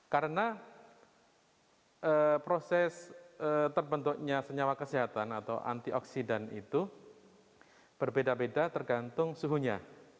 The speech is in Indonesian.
karena proses terbentuknya senyawa kesehatan atau antioksidan itu berbeda beda tergantung suhunya